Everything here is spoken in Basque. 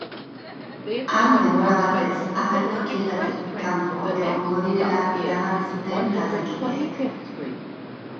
Han denbora batez agertokietatik kanpo egongo direla iragarri zuten taldekideek.